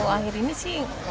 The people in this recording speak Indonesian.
akhir ini sih enggak sih